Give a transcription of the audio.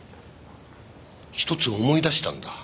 一つ思い出したんだ。